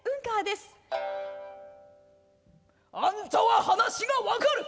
「あんたは話が分かる！